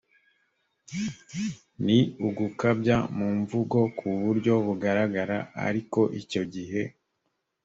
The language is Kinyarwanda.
ni ugukabya mu mvugo ku buryo bugaragara ariko icyo gihe